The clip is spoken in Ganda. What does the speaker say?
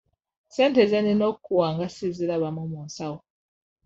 Ssente ze nnina okukuwa nga sizirabamu mu nsawo?